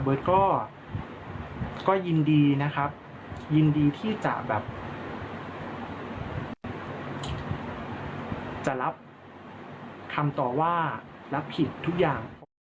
ก็ยินดีนะครับยินดีที่จะแบบจะรับคำตอบว่ารับผิดทุกอย่าง